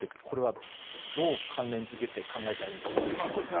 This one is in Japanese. これは、どう関連付けて考えたらいいんでしょう。